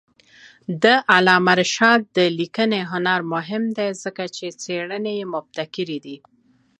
د علامه رشاد لیکنی هنر مهم دی ځکه چې څېړنې مبتکرې دي.